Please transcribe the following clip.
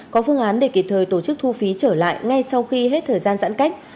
có phương án để kịp thời tổ chức thu phí trở lại ngay sau khi hết thời gian giãn cách